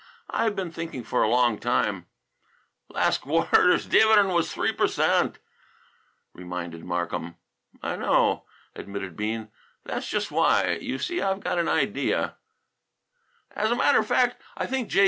"I've been thinking for a long time " "Last quarter's dividend was 3 per cent.," reminded Markham. "I know," admitted Bean, "and that's just why. You see I've got an idea " "As a matter of fact, I think J.